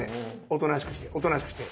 おとなしくしておとなしくして。